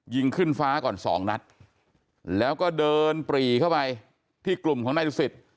ยิงขึ้นฟ้าก่อนสองนัดแล้วก็เดินปรีเข้าไปที่กลุ่มของนายดุสิต